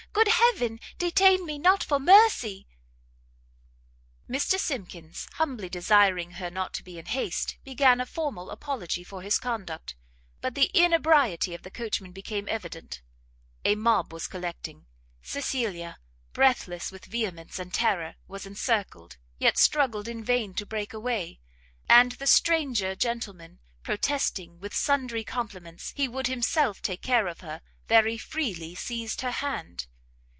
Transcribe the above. good Heaven! detain me not for mercy!" Mr Simkins, humbly desiring her not to be in haste, began a formal apology for his conduct; but the inebriety of the coachman became evident; a mob was collecting; Cecilia, breathless with vehemence and terror, was encircled, yet struggled in vain to break away; and the stranger gentleman, protesting, with sundry compliments, he would himself take care of her, very freely seized her hand.